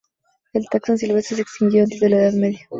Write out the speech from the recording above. El taxón silvestre se extinguió antes de la Edad Media.